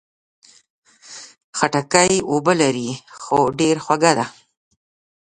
خټکی اوبه لري، خو ډېر خوږه ده.